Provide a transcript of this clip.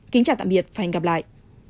kính chào tạm biệt và hẹn gặp lại